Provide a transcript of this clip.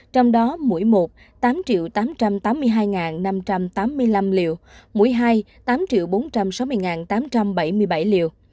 trong đó mũi một là tám tám trăm tám mươi hai năm trăm tám mươi năm liều mũi hai là tám bốn trăm sáu mươi tám trăm bảy mươi bảy liều